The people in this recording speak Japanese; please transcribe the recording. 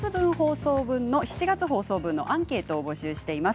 ７月放送分のアンケートを募集しています。